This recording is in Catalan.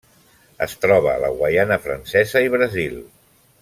Es troba a la Guaiana Francesa i Brasil.